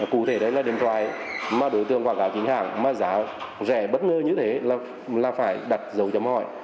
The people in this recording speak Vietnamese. cụ thể đấy là điện thoại mà đối tượng quảng cáo chính hàng mà giá rẻ bất ngờ như thế là phải đặt dấu chấm hỏi